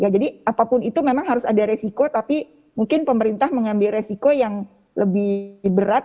jadi apapun itu memang harus ada resiko tapi mungkin pemerintah mengambil resiko yang lebih berat